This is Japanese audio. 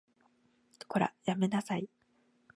こら、やめなさい